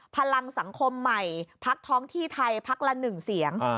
พลังสังคมใหม่พักท้องที่ไทยพักละ๑เสียง